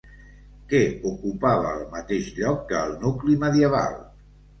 Què ocupava el mateix lloc que el nucli medieval?